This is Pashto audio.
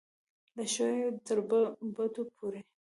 له ښو یې تر بدو پورې.